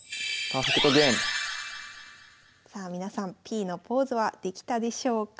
さあ皆さんＰのポーズはできたでしょうか？